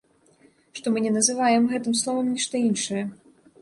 Што мы не называем гэтым словам нешта іншае.